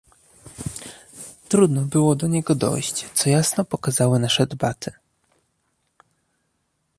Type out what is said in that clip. Trudno było do niego dojść, co jasno pokazały nasze debaty